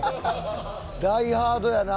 『ダイ・ハード』やな。